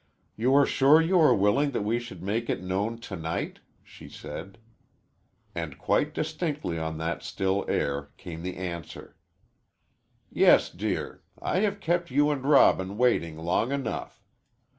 "You are sure you are willing that we should make it known to night?" she said. And quite distinctly on that still air came the answer: "Yes, dear. I have kept you and Robin waiting long enough.